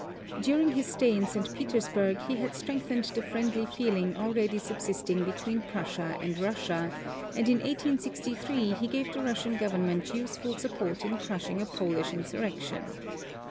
During his stay in St. Petersburg he had strengthened the friendly feeling already subsisting between Prussia and Russia; and in 1863 he gave the Russian government useful support in crushing a Polish insurrection.